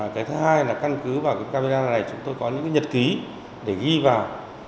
cái thứ hai là căn cứ vào cái camera này chúng tôi có những cái nhật ký để ghi vào